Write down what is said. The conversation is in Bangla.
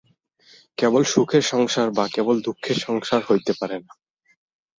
কেবল সুখের সংসার বা কেবল দুঃখের সংসার হইতে পারে না।